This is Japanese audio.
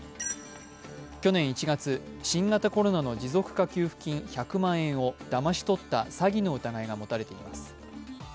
去年１月、新型コロナの持続化給付金１００万円をだまし取った詐欺の疑いが持たれています。